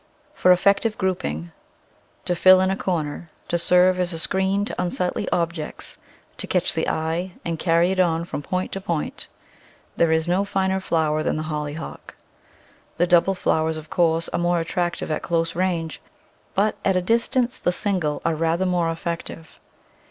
For effective grouping, to fill in a corner, to serve as a screen to unsightly objects, to catch the eye and carry it on from point to point, there is no finer flower than the Hollyhock. The double flowers, of course, are more attractive at close range, but at a distance the single are rather more effective.